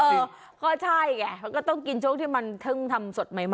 เออก็ใช่แกก็ต้องกินช่วงที่มันทำสดใหม่